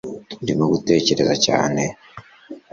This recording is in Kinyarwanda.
Urimo gutekereza cyane